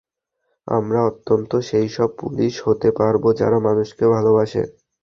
আমরা অন্তত সেইসব পুলিশ হতে পারব যারা মানুষকে ভালোবাসে।